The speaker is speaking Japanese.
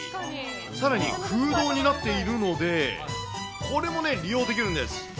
さらに、空洞になっているので、これもね、利用できるんです。